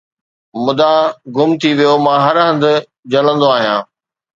مدعا گم ٿي ويو 'مان هر هنڌ جلندو آهيان